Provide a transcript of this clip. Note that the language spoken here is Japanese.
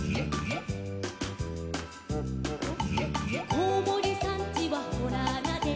「こうもりさんちはほらあなで」